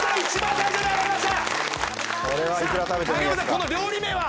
この料理名は？